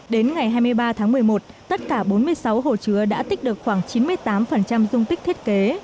đến ngày hai mươi ba tháng một mươi một tất cả bốn mươi sáu hồ chứa đã tích được khoảng chín mươi tám dung tích thiết kế